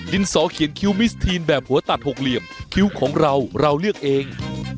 ดินสอเขียนคิวแบบหัวตัดหกเหลี่ยมคิวของเราเราเลือกเอง